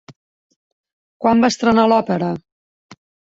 Quan va estrenar l'òpera?